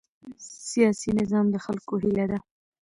سیاسي نظام د خلکو هیله ده